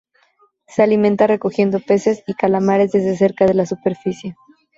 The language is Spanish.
Se alimenta recogiendo peces y calamares desde cerca de la superficie.